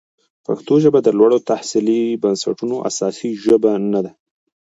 پښتو ژبه د لوړو تحصیلي بنسټونو اساسي ژبه نه ده.